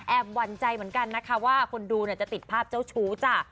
หวั่นใจเหมือนกันนะคะว่าคนดูจะติดภาพเจ้าชู้จ้ะ